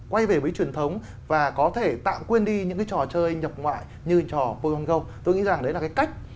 quay về với truyền thống và có thể tạm quên đi những cái trò chơi nhập ngoại như trò polm go tôi nghĩ rằng đấy là cái cách